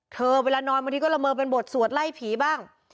เวลานอนบางทีก็ละเมอเป็นบทสวดไล่ผีบ้าง